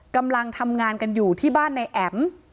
กำลังทำงานกันอยู่ที่บ้านนายแอ๋ม